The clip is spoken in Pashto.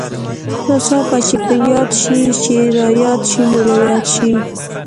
ناڅاپه چې په ياد شې چې راياد شې نو راياد شې.